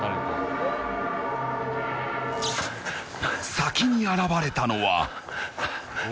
先に現れたのは。